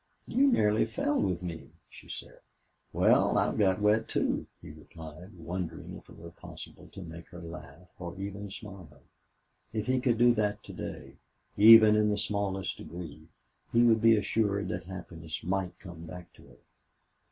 "You nearly fell with me," she said. "Well, I'd have got wet, too," he replied, wondering if it were possible to make her laugh or even smile. If he could do that to day, even in the smallest degree, he would be assured that happiness might come back to her.